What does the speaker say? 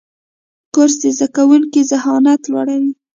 کورس د زده کوونکو ذهانت لوړوي.